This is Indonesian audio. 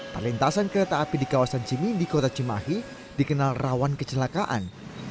perlintasan kereta api di kawasan cimindi kota cimahi dikenal rawan kecelakaan